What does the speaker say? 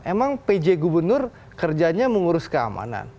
emang pj gubernur kerjanya mengurus keamanan